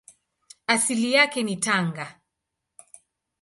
Asili yake ni Tanga.